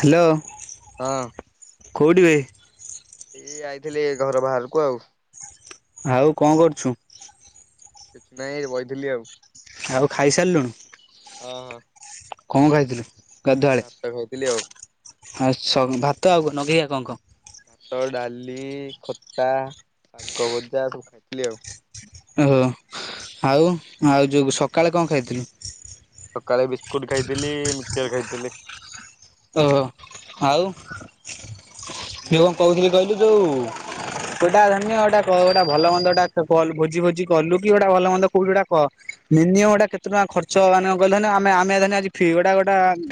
Hello. ହଁ କୋଉଠି ବେ ଏଇ ଆାଇଥିଲି ଘର ବାହାରକୁ ଆଉ। ଆଉ କଣ କରୁଛୁ? କିଛି ନାଇଁ ଏଇ ବଇଥେଲି ଆଉ। ଆଉ ଖାଇସାରିଲୁଣି। ଓହୋ। କଣ ଖାଇଥିଲୁ? ଗଧୁଆଳେ ଭାତ ଖାଇଥିଲି ଆଉ ଆଉ ଭାତ ଆଉ ନଗେଇଆ କଣ କଣ? ଭାତ, ଡାଲି, ଖଟା, ଶାଗ ଭଜା ସବୁ ଖାଇଥିଲି ଆଉ। ଓହୋ ଆଉ ଆଉ ଯୋଉ ସକାଳେ କଣ ଖାଇଥିଲୁ? ସକାଳେ ବିସ୍କୁଟ ଖାଇଥିଲି, ମିକଚର ଖାଇଥିଲି। ଓହୋ ଆଉ ହୁଁ। ମୁ କଣ କହୁଥିଲି କହିଲୁ ଯୋଉ ସେୋଟା ଧନ୍ୟଟା ଗୋଟ ଭଲନ୍ଦ ଗଟା ଭୋଜି ଭୋଜି କଲୁ କି ଗୋଟା ଭଲ ମନ୍ଦ କୋଉଠି ଗୋଟା ହ ମିନିମମ୍ ଗଟା କେତେ ଟଙ୍କା ଖର୍ଚ ମାନେଲେ ଆେ ଆମେ ଗଟା ଗୋଟା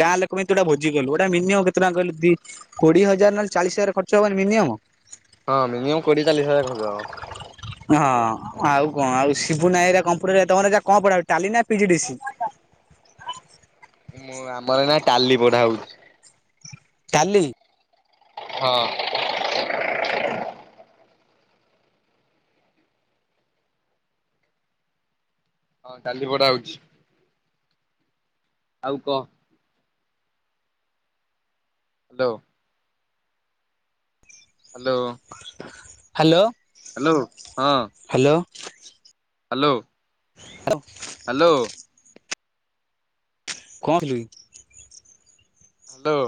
ଗାଁ ଲୋକଟା ୁଟା ମିମ କେତେ ଟା କୋଏ ହଜାର ନହଲେ ଚାଳିଶ ହଜାର ଖର୍ଚ୍ଚବନି ମିନିମ୍। ହଁ ମିନିମମ୍ କୋଡିଏ ଚାଳିଶ ହଜାର ଖ ଆଉ। ହଁ ଆଉ କଣ ଆଉ ଶିବୁ ନାଇଁ କମ୍ପୁଟର୍। ତମର କଣ ପଢ ଟାଲି ନା ପିଜି ଡି ସି? ମୁଁ ଆମର ନା ଟାଲି ପଢଡା ହଉଛି। କାଲି। ହଁ। ହଁ କାଲି ପଡା ହଉଛି। ଆଉ କହ। ହ୍ୟାଲୋ। ହ୍ୟାଲୋ। ହ୍ୟାଲୋ। ହ୍ୟାଲୋ। ହଁ। ହ୍ୟାଲୋ। ହ୍ୟାଲୋ। ତ। ହ୍ୟାଲୋ। କଣ ଥିଲୁ? ହ୍ୟାଲୋ।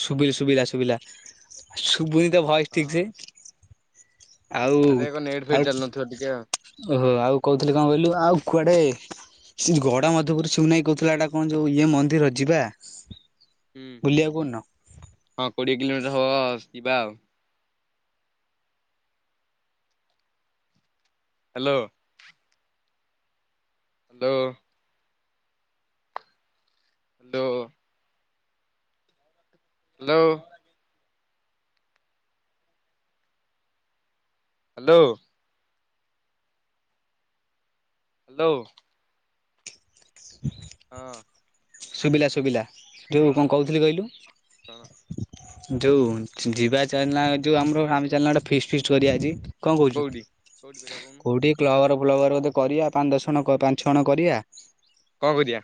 ସୁୁବିଲା ସୁବିଲା ସୁବିଲା। ଶୁଭୁନି ତ ଭୟସ ଠିକ ହଁ ସେ। ଆଉ ଆରେ ଏକ ନେଟ୍ ଫେଟ୍ ଆଉ ଚାଲୁନଥିବ ଟିକେ ଆଉ। ଓହୋ ଆଉ କହୁଥିଲି କଣ କହିଲୁ ଆଉ କୁଆଡେ? ସେ ଗଡ ମଧପୁରରୁ ସଉନାାଇ କହୁଥିଲା। ଏଟା କଣ ଯୋଉ ଇଏ ମନ୍ଦିର ଯିବା? ହୁଁ ବୁଲିବାକୁ କୋଉଦିନ? ହଁ କୋଡିଏ କିଲୋମିଟର ହବ। ଯିବା ଆଉ। Hello. Hello. Hello. Hello. Hello. Hello. [unintelligible] ହଁ। ଶୁଭିଲା ଶୁଭିଲା। ଯେଉଁ ହଁ କ ଣ କହୁଥିଲି କଣ କହିଲୁ? ଯୋଉ ଯିବା ଚା ଯୋଉ ଆମର ଆେ ଚାଲ ଗଟ ଫି ଫିସ୍ କରିବା ଆଜି। କଣ କହୁଛୁ? କୋଉଠି କୋଉଠି କରିବା କହୁନୁ କୋଉଠି? ବ୍ଲବର ବ୍ଲବର ବୋଧେ କରିବା ପାଞ୍ଚ ଦଶ ଜଣ ପାଞ୍ଚ ଜଣ କରିବା। କଣବ ଦିଆ?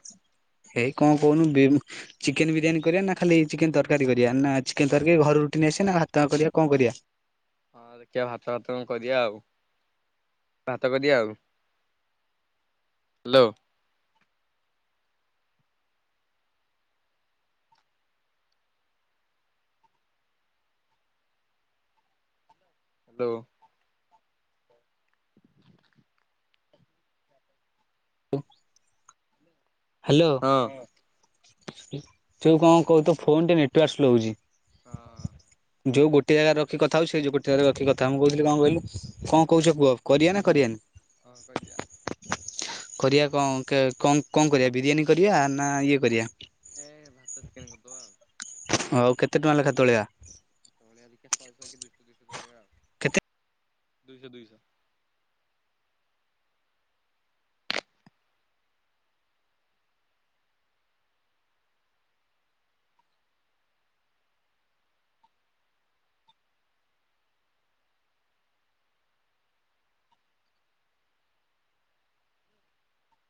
ଏଇ କଣ କହୁନୁ? ଚିକେନ ବିରିୟାନୀ କରିବା ନା ଖାଲି ଚିକେନ ତରକାରୀ କରିବା ନା ଚିକେନ ତରକାରୀ ଘରେ ରୁଟି ନେଇଆସିବା ନା ହାତ କରିବା କଣ କରିବା? ହଁ ଦେଖିବା ଭାତ ଭାତ କରିିଆ ଆଉ ଭାତ କରିଦିଆ ଆଉ। ହ୍ୟାଲୋ। ହାଲୋ। ହାଲୋ, ହଁ ତୁ କଣ କହୁ ଫୋନ ଟେ ନେଟୱାର୍କ ସ୍ଲୋ ହେଉଛି। ହଁ। ଯୋଉ ଗୋଟିଏ ଜାଗାରେ ରଖି କଥା ହଉ, ସେ ଯୋ ଗୋଟିଏ ଜାଗ ରଖି କଥା ହୋ। ମୁଁ କହୁ ଥିଲି କଣ କହିଲୁ କଣ କହୁଛ କୁହ କରିବାନା କରିବାନି? ହଁ କରିବା। କରିବା କଣ କେ-କଣ କରିବା ବିରିୟାନୀ କରିବା ନା ଇଏ କରିବା? ଏ ଭାତ ଚିକେନ୍ କରିଦବା ଆଉ। ଆଉ କେତେ ଟଙ୍କା ଲେଖା ତୋଳିଆ? ତହଳି ଆରିକା ସହେ ସହେ କି ଦୁଇଶହ ଦୁଇଶହ ଝଡେଇବା ଆଉ। କେତେ ଦୁଇଶହ ଦୁଇଶହ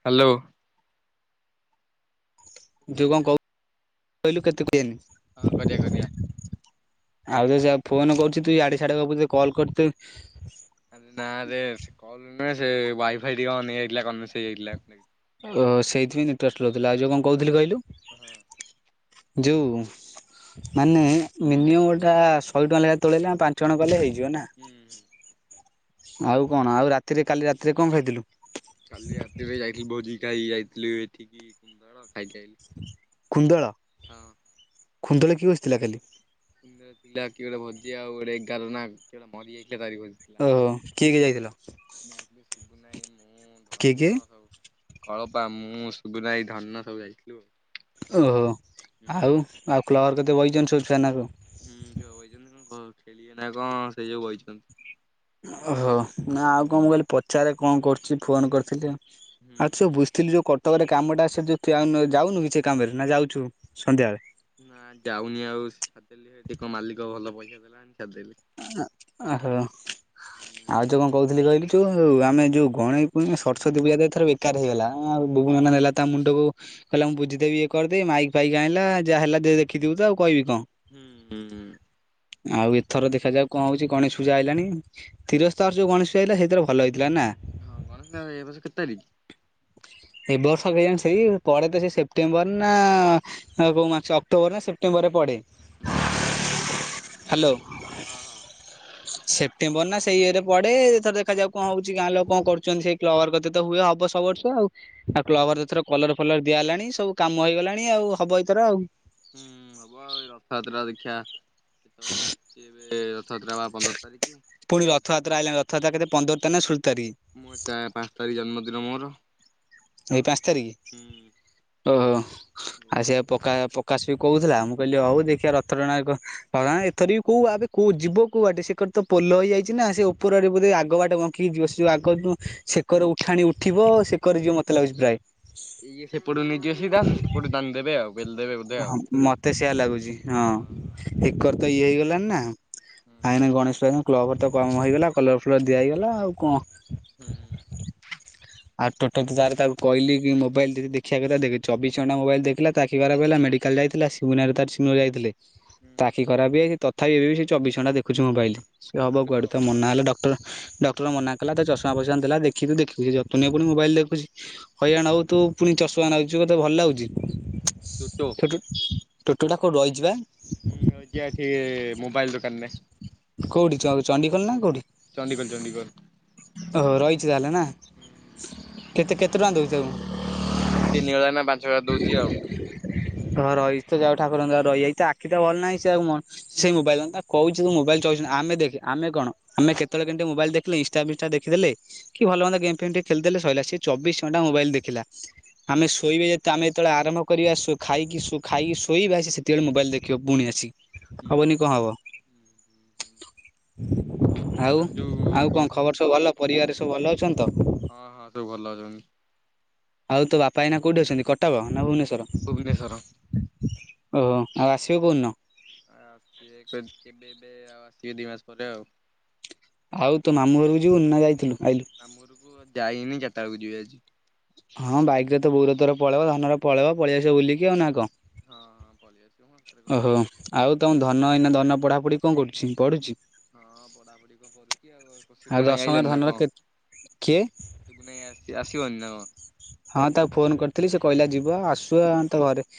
ହାଲୋ। ଯଉ କଣ କଉ, କହିଲୁ କେତେ କୁହେନି। ହଁ କରିିଆ କରିିଆ। ଆଉ ଯେ ସେ ଫୋନ କରୁଛି ତୁ ଇଆଡେ ସିଆଡ଼େ ଗପୁଛୁ ତତେ କଲ୍ କରି ତେ ଆରେ ନାରେ ସେ କଲ୍ ନୂହେଁ ସେ ୱାଇଫାଇ ଟିକେ ଅନ୍ ହେଇଯାଇଥିଲା କନଭେସ ହେଇଯାଇଥିଲା। ଓ ସେଇଥିପାଇ ନେଟୱାର୍କ ସ୍ଲୋ ଥିଲା। ଆଉ ଯେ କଣ କହୁଥିଲି କହିଲୁ ହଁ। ଯୋଉ ମାନେ ମିନିମମ୍ ଗୋଟା ଶହେ ଟଙ୍କା ଲେଖା ତୋଳେଇଲେ ପାଞ୍ଚ ଜଣ କଲେ ହେଇଯିବ ନା? ହୁଁ ହୁଁ। ଆଉ କଣ, ଆଉ ରାତିରେ କାଲି ରାତିରେ କଣ ଖାଇଥିଲୁ? କାଲି ରାତିରେ ଯାଇଥିଲି ଭୋଜି ଖାଇ ଯାଇଥିଲୁ ଏଠିକି କୁନ୍ଦଣ ଖାଇକି ଆଇଲି। କୁନ୍ଦଳ? ହଁ। ଖୁଣ୍ଡୁଳ କିଏ ବସିଥିଲା କାଲି? କୁନ୍ଦଳ ପିଲା କିଏ ଗୋଟେ ଭୋଜି ଆଉ ଗୋଟେ ଏଗାର ନା, କିଏ ଗୋଟେ ମରିଯାଇଥିଲା ତାରି ଭୋଜି। ଥିଲା ଓହୋ କିଏ କିଏ ଯାଇଥିଲ ଯାଇଥିଲୁ ଶିବୁନୁ ଭାଇ ମୁଁ କିଏ କିଏ ଧନ ସବୁ। କଳପା ମୁଁ ସୁଗୁନୁ ଭାଇ ଧନ ସବୁ ଯାଇଥିଲୁ। ଓହୋ। ହୁଁ ଆଉ, ଆଉ କ୍ଲରରେ କେତେ ବଇଛନ୍ତି ସବୁ ଛୁଆ ନା ସବୁ। ହୁଁ ଛୁଆ ବଇଛନ୍ତି କଣ ଖେଳିବେ ନା କଣ ସେଇ ଯୋଉ ବଇଛନ୍ତି। ଓହୋ। ନା ଆଉ କଣ ମୁଁ କହିଲି ପଚାରେ କଣ କରୁଛି ଫୋନ କରିଥିଲି। ହୁଁ ଆଉ ଛେ ହୁଁ ବୁଝ ଥିଲି ଯୋଉ କଟକରେ କାମଟା ସେ ଯଉ ଠିଆ, ଯାଉନୁ କି ସେ କାମରେ ନା ଯାଉଛୁ ସନ୍ଧ୍ୟାବେଳେ? ନା ଯାଉନି ଆଉ ଛାଡିଦେଲି ସେଠିକ ମାଲିକ ଭଲ ପଇସା ଦେଉନି ଛାଡିଦେଲି। ଆ, ଓହୋ। ହୁଁ ଆଉ ଯୋଉ କଣ କହୁଥିଲି କହିଲୁ ଯୋଉ, ଆମେ ଯଉ ଗଣେଇ ପୂ-ସରସ୍ଵତୀ ପୂଜାରେ ଏଥର ବେକାର ହେଇଗଲା। ଆ ବୁଗୁ ନନା ନେଲା ତା ମୁଣ୍ଡକୁ କହିଲା ମୁଁ ବୁଝିଦେବୀ ଇଏ କରିଦେବୀ, ମାଇକ୍ ଫାଇକ୍ ଆଣିଲା ଯାହା ହେଲା ଦେଖିଥିବୁ ତ ଆଉ କହିବି କଣ। ହୁଁ ହୁଁ, ହୁଁ। ଆଉ ଏ ଥର ଦେଖାଯାଉ କଣ ହଉଛି, ଗଣେଶ ପୂଜା ଆଇଲାଣି। ତୀରସ୍ତା ବର୍ଷ ଯୋଉ ଗଣେଶ ପୂଜା ହେଇଥିଲା, ସେଇଥର ଭଲ ହେଇଥିଲା ନା? ହଁ ଗଣେଶ ପୂଜା ଏ ବର୍ଷ କେତେ ତାରିଖ୍? ଏ ବର୍ଷ କେଜାଣି ସେଇ ପଡ଼େ ତ ସେଇ ସେପ୍ଟେମ୍ବର ନା ଆଉ କଉ ମାସ ଅକ୍ଟୋବର ନା ସେପ୍ଟେମ୍ବରରେ ପଡେ। ହୁଁ। ହାଲୋ, ହଁ ହଁ। ସେପ୍ଟେମ୍ବର ନା ସେଇ ଇଏରେ ପଡେ। ଏଇ ଥର ଦେଖାଯାଉ କଣ ହଉଛି, ଗାଁ ଲୋକ କଣ କରୁଛନ୍ତି ସେଇ କ୍ଲବ କତିରେ ତ ହୁଏ ହବ ସବୁ ବର୍ଷ ଆଉ। ଆଉ କ୍ଲବ ଘର ଏଥର କଲର ଫଲର ଦିଆ ହେଲାଣି, ସବୁ କାମ ହେଇଗଲାଣି ଆଉ ହବ ଏଇଥର ଆଉ। ହୁଁ ହବ ଆଉ ଏ ରବିବାର ଦିନ ଦେଖିଆ କେତେବେଳେ ଆଶୁଛି ଏବେ ରଥଯାତ୍ରା ବା ପନ୍ଦର ତାରିଖି? ପୁଣି ରଥଯାତ୍ରା ଆଇଲାଣି। ରଥଯାତ୍ର କେବେ ପନ୍ଦର ତାରଖ୍ ନା ଷୋଳ ତାରି ତାରଖ୍? ମୁଁ ଚା ପାଞ୍ଚ ତାରଖ୍ ଜନ୍ମଦିନ ମୋର। ଏଇ ପାଞ୍ଚ ତାରିକି ହୁଁ ଓହୋ। ଆ ସେ ପକା ପ୍ରକାଶ ବି କହୁଥିଲା ମୁଁ କହିଲି ହଉ ଦେଖିବା ରଥ ଟଣା କୁ ହ ଏଥର ବି କୋଉ ଆବେ କଉ ଯିବ କୋଉ ବାଟେ ସେ କରେ ତ ପୋଲ ହେଇଯାଇଛି ନା ସେ ଉପର ଆଟେ ବୋଧେ ଆଗ ବାଟେ କଣ କି ଯିବ ସେ ଯୋଉ ଆଗ ଯୋ ସେକର ଉଠାଣି ଉଠିବ ସେକର ଯିବ ମତେ ଲାଗୁଛି ପ୍ରାୟ। ଇଏ ସେପଟୁ ନେଇଯିବେ ସିଧା ସେ ସେପଟ ଟାଣଦେବେ ଆଉେ ପେଲି ଦେବେ ବ ହଁ ମତେ ସେଇଆ ଲାଗୁଛି ହଁ ଏକର ତ ଇଏ ହେଇଗଲାଣି ନା। ହୁଁ ଆ ଏଇନା ଗଣେଶ ପୂଜା ତ କ୍ଲବ୍ ଘର ତ କମ ହେଇଗଲା କଲର ଫଲର ଦିଆ ହେଇଗଲା ଆଉ କଣ। ହୁଁ। ଆଉ ଟୋଟଲ ତ ତାର ତାକୁ କହିଲି କି ମୋବାଇଲ ଯଦି ଦେଖିବା କଥା ଦେଖ ଚବିଶ ଘଣ୍ଟା ମୋବାଇଲ ଦେଖ ଥିଲା ତା ଆଖି ଖରାପ ହେଲା ମେଡ଼ିକାଲ ଯାଇଥିଲା ସିମୁନାରେ ତାର ସିମୁ ଯାଇଥିଲେ। ହୁଁ ତା ଆଖି ଖରାପ ହେଇଯାଇଚି ବି ତଥାପି ଏବେ ବି ସେ ଚବିଶ ଘଣ୍ଟା ଦେଖୁଛି ମୋବାଇଲ ସିଏ ହବ କୁଆଡେ ତ ମନା ହେଲେ ଡ ଟର ଡକ୍ଟର ମନା କଲା ତା ଚଷମା ଫସମା ଦେଲା ଦେଖିୁ ଦେଖିବୁ ଯ ତୁ ନେଇ ପୁଣିି ମୋବାଇଲ ଦେଖୁଛି ହଇରାଣ ହବୁ ତୁ ପୁଣି ଚଷମା ନାଉଛୁ ତତେ ଭଲ ଲାଗୁଚି। ଟୋଟୋ ଟୋଟୁ ଟୋଟୁ ଟା କୋଉଠି ରହିଚି ବା। ହୁଁ ରଇଚିଆ ଏଠି ମୋବାଇଲ ଦୋକାନରେ। କୋଉଠି ଚଣ୍ଡି ଖୋଲ ନା କୋଉଠି? ଚଣ୍ଡିଖୋଲ ଚଣ୍ଡିଖୋଲ। ଓ ହୋ ରହିଛି ତାହେଲେ ନା। କେତେ କେତେ ଟଙ୍କା ଦୋଉଚି ତାକୁ। ତାକୁ କେତେ ତିନି ହଜାର ନା ପାଞ୍ଚ ହଜାର ଦଉଛି ଆଉ। ହଁ ରହିଚି ତ ଯାଉ ଠାକୁରଙ୍କ ଦୟାରୁ ରହି ଆଇଚି ତା ଆଖି ତ ଭଲ ନାହିଁ ସେ ଆଉ ମ ସେଇ ମୋବାଇଲ୍ ନା ତାକୁ କହୁଚୁ ତୁ ମୋବାଇଲ ଚବିଶ ଘ ଆମେ ଦେଖେ ଆମେ କଣ ଆମେ କେତେବେଳେ କେମତି ମୋବାଇଲ ଦେଖିଲେ ଇନଷ୍ଟା ଫିନଷ୍ଟା ଦେଖି ଦେଲେ କି ଭଲ ମନ୍ଦ ଗେମ୍ ଫେମ୍ ଟି କେ ଖେଳିଦେଲେ ସଇଲା ସେ ଚବିଶ ଘଣ୍ଟା ମୋବାଇଲ ଦେଖିଲା। ଆମେ ଶୋଇବେ ଯେତେ ଆମେ ଯେତେବେଳେ ଆରମ୍ଭ କରିବା ଶୋ ଖାଇକି ଶୋ ଖାଇକି ଶୋଇବା ଆସି ସେତେବେଳେ ମୋବାଇଲ ଦେଖିବ ପୁଣି ଆସି। ହୁଁ ହୁଁ ହୁଁ ହୁଁ ହୁଁ। ଆଉ ଆଉ କଣ ଖବର ସବୁ ଭଲ ପରିବାର ସବୁ ଭଲ ଅଛନ୍ତି ତ? ହଁ ହଁ ସବୁ ଭଲ ଅଛନ୍ତି। ଆଉ ତୋ ବାପା ଏଇନା କୋଉଠି ଅଛନ୍ତି କଟକ ନା ଭୁବନେଶ୍ୱର। ଭୁବନେଶ୍ୱର। ଓହୋ ଆଉ ଆସିବ କୋଉ ଦିନ। ଆ ଆସିବେ କେବେ ଏବେ ଆଉ ଆସିବେ ଦି ମାସ ପରେ ଆଉ। ଆଉ ତୋ ମାମୁ ଘରକୁ ଯିବୁନି ନା ଯାଇଥିଲୁ ଆଇଲୁ। ମାମୁ ଘରକୁ ଯାଇନି ଚାରିଟା ବେଳକୁ ଯିବି ଆଜି। ହଁ ବାଇକ ରେ ତ ବୋଉର ଚୋର ପକେଇବ ଧନର ପଳେଇବ ପଳେଇ ଆସିବ ବୁଲିକି ଆଉ ନା କଣ। ହଁ ହଁ ପଶିଆସିଲେ ଆଉ ସେଥିରେ କଣ ଓହୋ ଅଛି। ଆଉ ତମ ଧନ ଏଇନା ଧନ ପଢ଼ାପଢ଼ି କଣ କରୁଚି ପଢ଼ୁଚି। ହଁ ପଢା ପଢି କଣ କରୁଛି ଆଉ ସିପୁନୁ ଆଇ ଦଶମରେ ଆଇଲାଣିି ନା ଧନର କଣ। କେ କିଏ ସିପୁନ ଆଇ ଆସିଚି ଆସିବନି ନା କନ୍। ହଁ ତାକୁ ଫୋନ କରିଥିଲି ସେ କହିଲା ଯିବ ଆସୁ ଆଁ ତା ଘରେ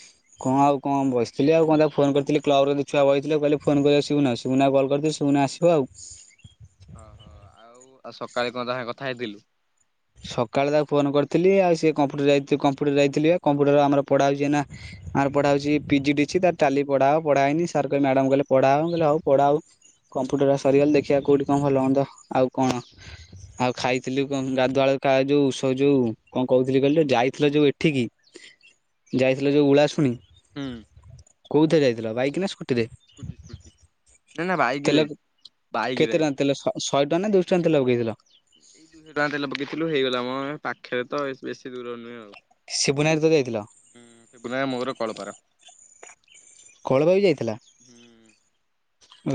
କଣ ଆଉ କଣ ବସିଥିଲି ଆଉ କଣ ତାକୁ ଫୋନ କରିଥିଲି କ୍ଲବ ର ଛୁଆ ବଇଥିଲେ କହିଲେ ଫୋନ କରିଆ ସିପୁନା କୁ ସିପୁନା ଆଇ କଲ କରିିଥିଲି ସିପୁନା ଆସି ହଉ ଆଉ। ହଁ ହଁ ଆଉ ଆଉ ସକାଳେ କଣ ତା ସାଙ୍ଗେ କଥା ହେଇଥିଲୁ। ସକାଳେ ତାକୁ ଫୋନ କରିଥିଲି ଆଉ ସିଏ କମ୍ପୁଟର ଯାଇ କମ୍ପ୍ୟୁଟର ଯାଇଥିଲି ବା କମ୍ପ୍ୟୁଟର ଆମର ପଢା ହଉଚି ଏନା ଆମର ପଡା ହଉଚି ପି ଜି ଡି ସି ତା ପ ଟାଲି ପଢା ହବ ପଢା ହେଇନି ସାର୍ କଇ ମ୍ୟାଡାମ କଇଲେ ପଢା ହବ ମୁଁ କଇଲି ହଉ ପଢା ହଉ। କମ୍ପୁଟର ଟା ସରିଗଲେ ଦେଖିଆ କୋଉଠି କଣ ଭଲ ମନ୍ଦ ଆଉ କଣ ଆଉ ଖାଇଥିଲୁ କଣ ଗା ଧୁଆଳୁ କା ଯୋଉ ସୋ ଯୋଉ କଣ କହୁଥିଲି କହିଲୁ ଯାଇଥିଲ ଯୋଉ ଏଠିକି ଯାଇଥିଲ ଯୋଉ ଉଳାଶୁଣି ହୁଁ କୋଉଥିରେ ଯାଇଥିଲ ବାଇକ ନା ସ୍କୁଟ୍ ଟି ରେ ସ୍କୁଟି ସ୍କୁଟି ନା ନା ବାଇକ୍ ତେଲ ଯାଇ ବାଇକ୍ କେତେ ଯାଇ ଟଙ୍କା ତେଲ ସ ଶହେ ଟଙ୍କ ନା ଦୁଇଶ ଟଙ୍କା ତେଲ ପକେଇଥିଲ। ଦୁଇଶହ ଟଙ୍କା ତେଲ ପକେଇଥିଲୁ ହେଇଗଲା ମ ପାଖରେ ତ ବେଶୀ ଦୂର ନୁହେଁ ଆଉ ଶିବୁନାର ତୋର ଯାଇଥିଲ? ଶିବୁନା ମୋର କଳପା ର କଳପା ବି ଯାଇଥିଲା? ହୁଁ।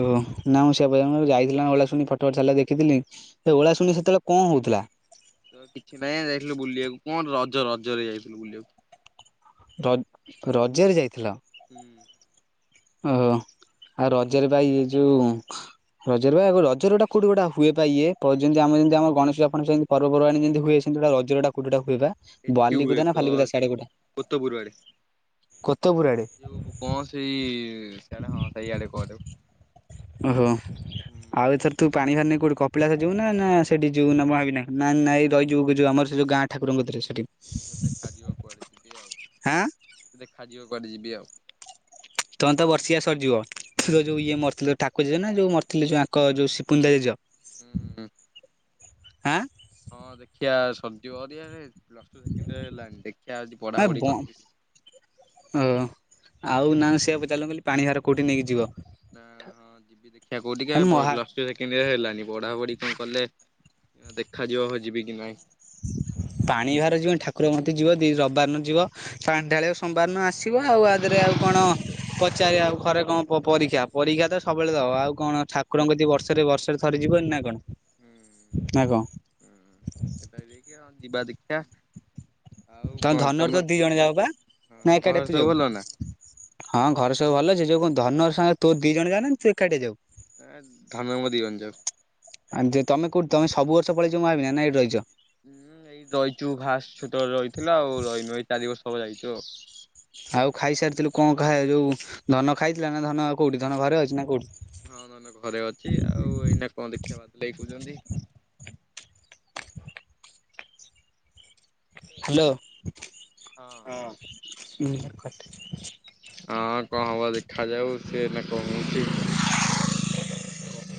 ଓହୋ ନା ମୁ ସେୟା ଯାଇଥିଲା ଓଳାଶୁଣି ଫଟ ଭଟ ଛାଡ଼ିଥିଲା ଦେଖିଥିଲି। ସେ ଓଳାଶୁଣି ସେତେବେଳେ କଣ ହଉଥିଲା? ତ କିଛି ନାଇଁ ଯାଇଥିଲୁ ବୁଲିଆକୁ କଣ ରଜ ରଜରେ ଯାଇଥିଲୁ ବୁଲିଆକୁ। ର ରଜରେ ଯାଇଥିଲ? ହୁଁ, ଓହୋ ଆଉ ରଜରେ ଭାଇ ଏ ଯୋଉ ରଜରେବା ରଜର ବା ଏଇଟା ଗୋଟେ ହୁଏ ବା ଇଏ ଯେମତି ଆମ ଏଇ ଯେମିତି ଗଣେଶ ପୂଜା ଫେନେଶ ପୂଜା ଯେ ପର୍ବ ପର୍ବାଣି ଯେମିତି ହୁଏ ସେମିତି ରଜଟାକୁଟା ହୁଏ ବା ଏଠି ବାଲି ହୁଏ କୁଦା ନା କ ଫାଲିକୁଦା ସେଇ ସିଆଡେ ଗୋଟେ କୋତେ ପୁର ଆଡେ? ଯ କଣ ସେଇ ସେ ହଁ ସେଇଆଡେ କୁଆଡେ ଓହୋ ଆଉ ଏ ତୁ ପାଣି ହାର ନେଇ କଉଠ କପିଳାସ ଯୁ ନା ସେଠି ଯିବୁ ମୁଁ ଭାବିହିଁ ନାଇଁଇ ରହିିବ କି ଯୁ ଆମର ସେ ଯଉ ଗାଁ ଠାକୁରଙ୍କ କତିରେ ସେଠି ଦେ ଖା ଜି ବ କୁଆଡେ ଯିବି ଆଉ ହାଁ। କେତେ ଦେଖା ଯିବ କୁଆଡେ ଯିବି ଆଉ ତମେ ତ ବର୍ଷିକିଆ ସରିଯିବ ତ ଯୋଉ ଇଏ ମରିଥିଲେ ଠାର ଜେ ନା ଯୋଉ ମରିଥିଲେ ଯଉ ଆଙ୍କ ଯୋଉ ଶିପୁନ ତା ଜେଜ ହୁଁ ହ। ଆ ହଁ ଦେଖିଆ ସରିିବଆରେ ପସ ଟୁ ଦେଖିବା ଆଜି ଏ ବ ପଢାପଢି କରିଥିବ କି ଓ ଆଉ ନା ସେଆ ଚାଲ କହିଲି ପାଣି ଭାର କଉଠି ନେଇକି ଯିବ? ହଁ ଯିବି ଦେଖିବା କହୁଠିକ ଆମେ ମହା ପରବି ସେକଣ୍ଡୟର ହେଲାନି ପଢାପଢି କଣ କଲେ ଦେଖାଯିବ ହଁ ଯିବି କି ନାହିଁ, ପାଣି ଭ ଯିବ ଠାକୁରକତି ଯିବ ଦି ରବିବାର ନହେଲେ ଯିବ ପାଣି ଢାଳିବ ସୋମବାର ନୁ ଆସିବ ଆଉ ଆଦରେ ଆଉ କଣ ପଚାର ଆଉ ଘରେ କ କଣ ପରୀକ୍ଷା ପରୀକ୍ଷା ତ ସବୁବେଳେ ଦବ ଆଉ କଣ ଠାକୁର କତିକି ବର୍ଷରେ ବର୍ଷରେ ଥରେ ଯିବନି ନା କଣ? ନା କଣ ଯିବା ଦେଖିବା ତମେ ଧନର ତର ଦି ଜଣ ଯାଉ ବା ହଁ ନାଇଁ ତମ ଘରେ ଏକାଡିଆ ତୁ ସବୁ ଯାଉ? ଭଲ ନା ହଁ ଘରେ ସବୁ ଭଲ ସେ ଯୋଉ କଣ ଧନ ସଙ୍ଗେ ତୋ ଦି ଜଣ ଯାନ୍ତି ନା ତୁ ଏକାଡିଆ ଯାଉ? ଏ ଧନର ମର ଦି ଜଣ ଯାଉ। ଆ ତମ କଉଠି ତମ ସବୁ ବର୍ଷ ପଲେଇଛନା ମହାବିନାୟକ ନା ଏଠି ରହିଛ? ଉୁଁ ଏଇ ରହିଛୁ ଫାର୍ଷ୍ଟ ରୁ ତ ରହିଥିଲୁ ଆଉ ରହିନୁ ଏଇ ଚାରି ବର୍ଷ ହେବ ଯାଇଛୁ ଆଉ ଆଉ ଖାଇସାରିଥିଲୁ କଣ ଖା ଯୋଉ ଧନ ଖାଇଥିଲା ନା ଧନ କୋଉଠି ଧନ ଘରେ ଅଛି ନା କୋଉଠି? ହଁ ଧନ ଘରେ ଅଛି ଆଉ ଏଇନା କଣ ଦେଖିବା ବାଦ ଲଇ କହୁଛନ୍ତି ହ୍ୟାଲୋ! ହଁ ହୁଁ। ହଁ କଣ ହବ ଦେଖାଯାଉ ସିଏ ନା କହୁଛି